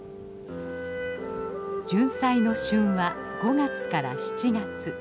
ジュンサイの旬は５月から７月。